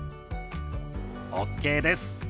ＯＫです。